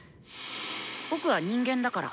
僕は人間だから。